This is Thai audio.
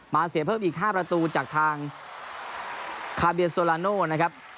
เสียเพิ่มอีก๕ประตูจากทางคาเบียโซลาโน่นะครับ